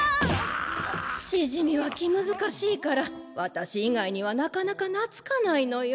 しじみは気難しいから私以外にはなかなかなつかないのよ。